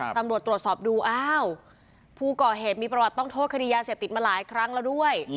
ตำรวจตรวจสอบดูอ้าวผู้ก่อเหตุมีประวัติต้องโทษคดียาเสพติดมาหลายครั้งแล้วด้วย